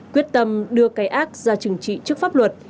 quyết tâm đưa cái ác ra trừng trị trước pháp luật